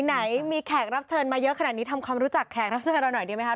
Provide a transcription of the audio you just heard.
ไหนมีแขกรับเชิญมาเยอะขนาดนี้ทำความรู้จักแขกรับเชิญเราหน่อยดีไหมค